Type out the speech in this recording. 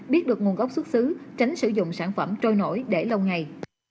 biết được nguồn gốc xuất xứ tránh sử dụng sản phẩm trôi nổi để lâu ngày